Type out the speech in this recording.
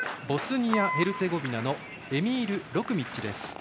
ボスニア・ヘルツェゴビナのエミール・ロクミッチです。